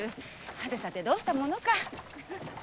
はてさてどうしたものか。